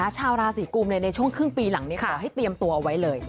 ชาวราศีกุมในช่วงครึ่งปีหลังนี้ขอให้เตรียมตัวเอาไว้เลย